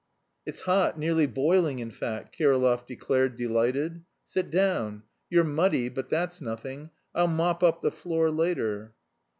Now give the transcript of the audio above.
"It's hot, nearly boiling in fact," Kirillov declared delighted. "Sit down. You're muddy, but that's nothing; I'll mop up the floor later."